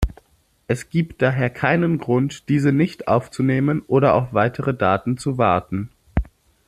Es gibt daher keinen Grund, diese nicht aufzunehmen oder auf weitere Daten zu warten.